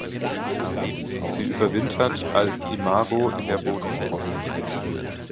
Sie überwintert als Imago in der Bodenstreu.